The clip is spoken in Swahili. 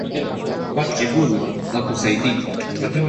Kujivuna akusaidii kitu